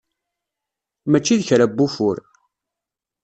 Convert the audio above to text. Mačči d kra n wufur.